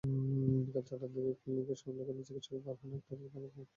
বিকেল চারটার দিকে ক্লিনিকের খণ্ডকালীন চিকিৎসক ফারহানা আক্তার তাঁর অস্ত্রোপচার করেন।